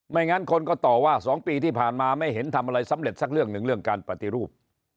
งั้นคนก็ต่อว่า๒ปีที่ผ่านมาไม่เห็นทำอะไรสำเร็จสักเรื่องหนึ่งเรื่องการปฏิรูป